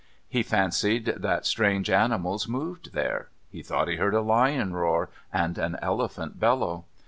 He fancied that strange animals moved there; he thought he heard a lion roar and an elephant bellow.